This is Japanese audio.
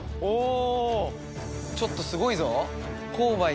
ちょっとすごいぞ。